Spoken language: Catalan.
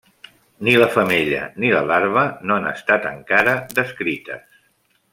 Ni la femella ni la larva no han estat encara descrites.